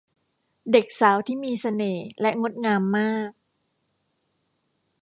เด็กสาวที่มีเสน่ห์และงดงามมาก